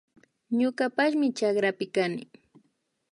Ñukapashmi chakrapi kani